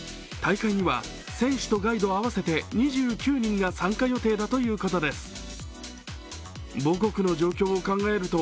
大会には、選手とガイド合わせて２９人が参加予定だということです。